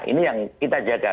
ini yang kita jaga